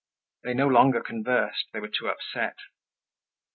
They no longer conversed, they were too upset.